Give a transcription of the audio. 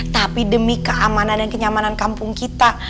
tapi demi keamanan dan kenyamanan kampung kita